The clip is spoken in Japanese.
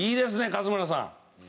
勝村さん。